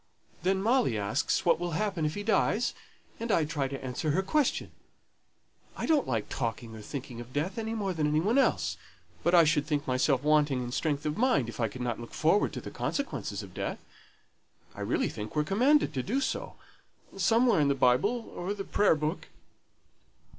Then Molly asks what will happen if he dies; and I try to answer her question. I don't like talking or thinking of death any more than any one else; but I should think myself wanting in strength of mind if I could not look forward to the consequences of death. I really think we're commanded to do so, somewhere in the Bible or the Prayer book."